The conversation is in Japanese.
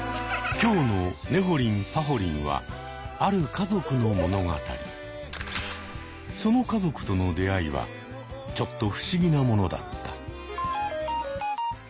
今日の「ねほりんぱほりん」はその家族との出会いはちょっと不思議なものだった。